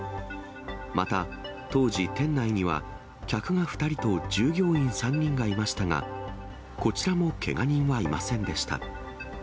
また、当時店内には、客が２人と従業員３人がいましたが、こちらもけが人はいませんでした。